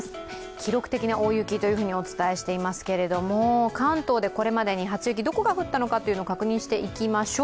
記録的な大雪とお伝えしていますけれども、関東でこれまでに初雪、どこが降ったのかを確認していきましょう。